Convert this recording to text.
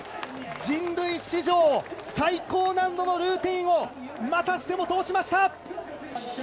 人類史上最高難度のルーチンをまたしても通しました。